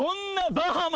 バハマ！